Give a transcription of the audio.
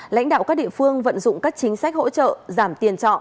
lãnh đạo các địa phương vận dụng các chính sách hỗ trợ giảm tiền trọ